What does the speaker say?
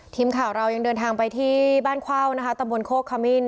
ทีมข่าวเรายังเดินทางไปที่บ้านคว้าวตะบวนโคกคามิน